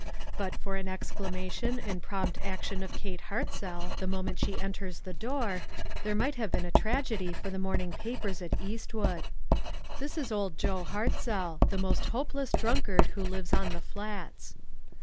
But for an exclamation and prompt action of Kate Hartzell, the moment she enters the door, there might have been a tragedy for the morning papers at Eastwood. This is Old Joe Hartzell, the most hopeless drunk are who lives on the Flats.